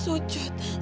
saya akan berdoa